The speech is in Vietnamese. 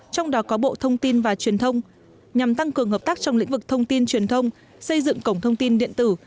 trong đó có bộ thông tin và truyền thông nhằm tăng cường hợp tác trong lĩnh vực thông tin truyền thông xây dựng cổng thông tin điện tử